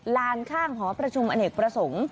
ลานข้างหอประชุมอเนกประสงค์